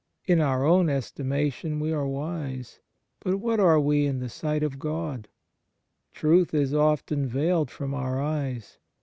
In our own estimation we are wise, but what are we in the sight of God ? Truth is often veiled from our eyes.